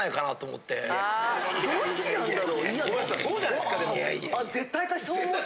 どっちなんだろう？